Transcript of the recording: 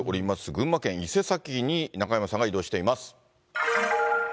群馬県伊勢崎に、中山さんが移動しています。